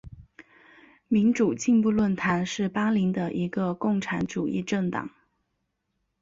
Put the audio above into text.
民主进步论坛是巴林的一个共产主义政党。